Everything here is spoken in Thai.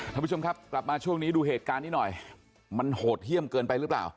ท่านผู้ชมครับกลับมาช่วงนี้ดูเหตุการณ์นี้หน่อยมันโหดเยี่ยมเกินไปหรือเปล่า